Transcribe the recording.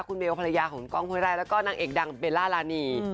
คุณเบลภรรยาของกล้องห้วยไร่แล้วก็นางเอกดังเบลล่ารานี